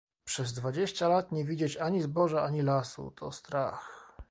"Przez dwadzieścia lat nie widzieć ani zboża, ani lasu... To strach!..."